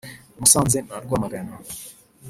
Musanze na Rwamagana